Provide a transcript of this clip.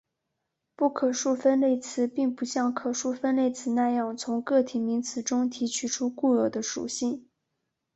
不可数分类词并不像可数分类词那样从个体名词中提取出固有的属性。